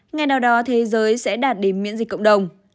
ngày nào đó thế giới sẽ đạt điểm miễn dịch cộng đồng